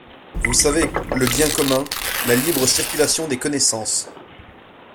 Vous savez, le bien commun, la libre circulation des connaissances.